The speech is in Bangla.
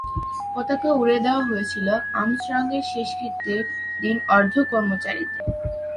পতাকা উড়িয়ে দেওয়া হয়েছিল আর্মস্ট্রংয়ের শেষকৃত্যের দিন অর্ধ-কর্মচারীতে।